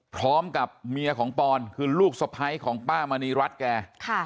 พร้อมกับเมียของปอนคือลูกสะพ้ายของป้ามณีรัฐแก